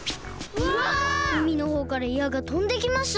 うみのほうからやがとんできました！